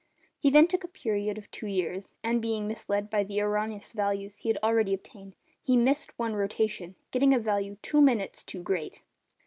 He then took a period of two years, and being misled by the erroneous values he had already obtained, he missed one rotation, getting a value two minutes too great.